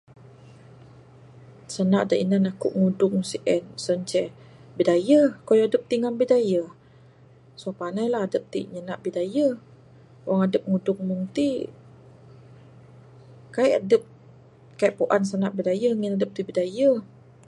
Sanda da inan aku ngudung sien, sien ce Bidayuh. Kayuh aduh ti ngan Bidayuh. So pandailah adup ti nyanda Bidayuh. Wang adup ngudung mung ti. Kai adup kai puan sanda Bidayuh, ngin adup ti Bidayuh!